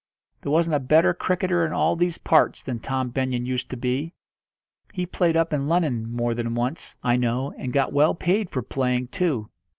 There wasn't a better cricketer in all these parts than Tom Benyon used to be. He played up in Lunnon more than once, I know, and got well paid for playing too.